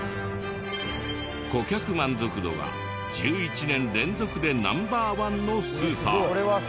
顧客満足度は１１年連続でナンバー１のスーパー。